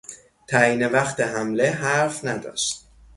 تعیین وقت حمله حرف نداشت.